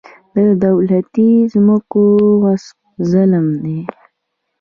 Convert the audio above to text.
د دولتي ځمکو غصب ظلم دی.